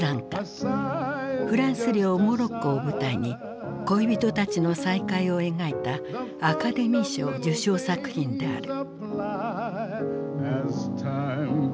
フランス領モロッコを舞台に恋人たちの再会を描いたアカデミー賞受賞作品である。